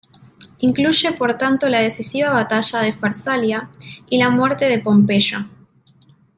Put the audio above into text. Incluye por tanto la decisiva batalla de Farsalia y la muerte de Pompeyo.